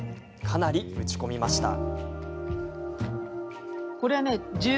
かなり打ち込みました。